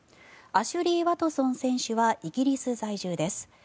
アシュリー・ワトソン選手はイギリス在住です。